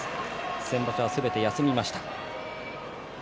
先場所はすべて休みました。